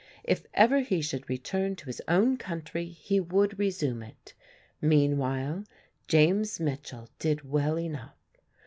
If ever he should return to his own country he would resume it; meanwhile James Mitchell did well enough.